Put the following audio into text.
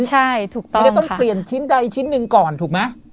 จะต้องเปลี่ยนชิ้นใดชิ้นนึงก่อนถูกไหม